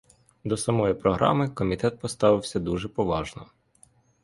До самої програми комітет поставився дуже поважно.